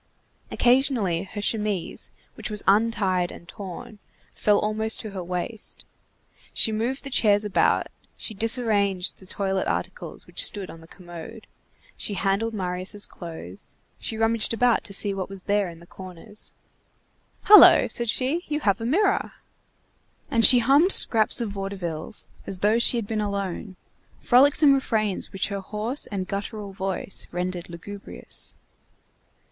Occasionally her chemise, which was untied and torn, fell almost to her waist. She moved the chairs about, she disarranged the toilet articles which stood on the commode, she handled Marius' clothes, she rummaged about to see what there was in the corners. "Hullo!" said she, "you have a mirror!" And she hummed scraps of vaudevilles, as though she had been alone, frolicsome refrains which her hoarse and guttural voice rendered lugubrious.